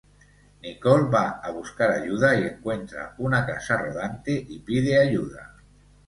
Nicole va a buscar ayuda y encuentra una casa rodante y pide ayuda.